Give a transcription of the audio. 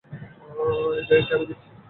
এর গ্যারান্টি আমি দিচ্ছি।